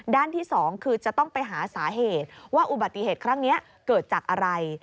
ที่๒คือจะต้องไปหาสาเหตุว่าอุบัติเหตุครั้งนี้เกิดจากอะไร